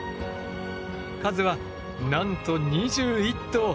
数はなんと２１頭！